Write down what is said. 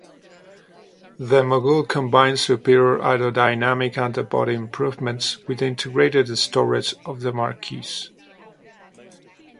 The Mogul combines superior aerodynamic underbody improvements with the integrated storage of the Marquise.